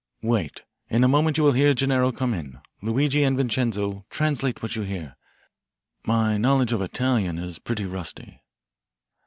Wait, in a moment you will hear Gennaro come in. Luigi and Vincenzo, translate what you hear. My knowledge of Italian is pretty rusty."